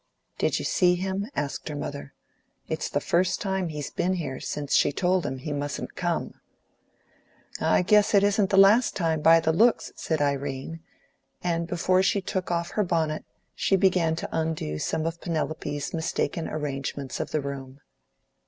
"Did you see him?" asked her mother. "It's the first time he's been here since she told him he mustn't come." "I guess it isn't the last time, by the looks," said Irene, and before she took off her bonnet she began to undo some of Penelope's mistaken arrangements of the room.